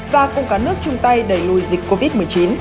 và cùng cả nước chung tay đẩy lùi dịch covid một mươi chín